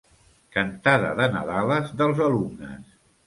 Cantada de nadales dels alumnes.